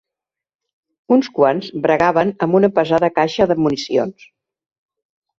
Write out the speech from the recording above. Uns quants bregaven amb una pesada caixa de municions